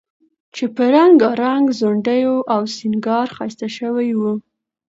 چې په رنګارنګ ځونډیو او سینګار ښایسته شوی و،